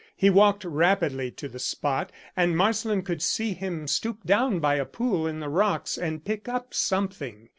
He walked rapidly to the spot, and Marsland could see him stoop down by a pool in the rocks and pick up something.